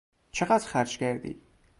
چقدر خرج کردی؟